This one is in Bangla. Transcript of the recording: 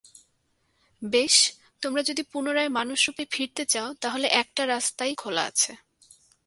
বেশ, তোমরা যদি পুনরায় মানুষরূপে ফিরতে চাও, তাহলে একটা রাস্তাই খোলা আছে।